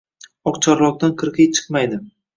Oqcharloqdan qirg‘iy chiqmaydi